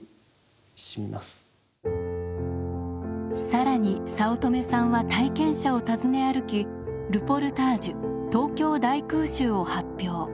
更に早乙女さんは体験者を訪ね歩きルポルタージュ「東京大空襲」を発表。